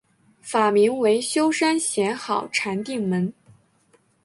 法名为休山贤好禅定门。